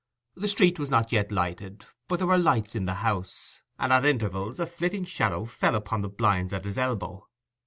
The street was not yet lighted, but there were lights in the house, and at intervals a flitting shadow fell upon the blind at his elbow.